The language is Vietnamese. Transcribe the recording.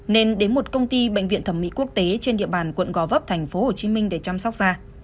nên đến một công ty bệnh viện thẩm mỹ quốc tế trên địa bàn quận gò vấp tp hcm để chăm sóc da